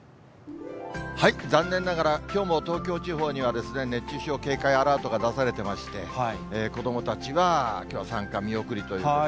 残念ながら、きょうも東京地方には熱中症警戒アラートが出されてまして、子どもたちはきょうは参加見送りということ。